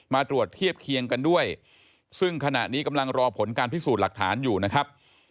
มาตรวจเทียบเคียงกันด้วยซึ่งขณะนี้กำลังรอผลการพิสูจน์หลักฐานอยู่นะครับ